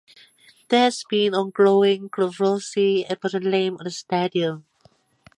There has been ongoing controversy about the name of the stadium.